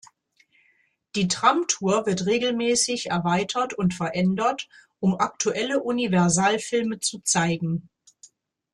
Die Tram Tour wird regelmäßig erweitert und verändert, um aktuelle Universal-Filme zu zeigen.